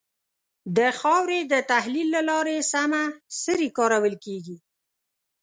د خاورې د تحلیل له لارې سمه سري کارول کېږي.